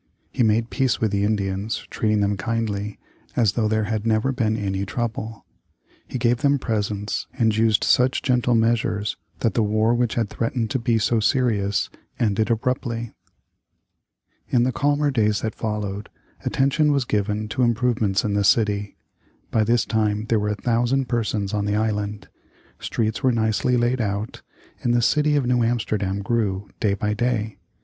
He made peace with the Indians, treating them kindly, as though there had never been any trouble. He gave them presents, and used such gentle measures that the war which had threatened to be so serious ended abruptly. In the calmer days that followed, attention was given to improvements in the city. By this time there were a thousand persons on the island. Streets were nicely laid out, and the city of New Amsterdam grew, day by day.